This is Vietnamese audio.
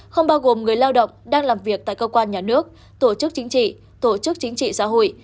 không bao gồm người lao động đang làm việc tại cơ quan nhà nước tổ chức chính trị tổ chức chính trị xã hội